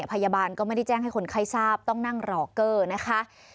พยาบาลก็ไม่ได้แจ้งให้คนไข้ทราบต้องนั่งรอเกอร์นะคะ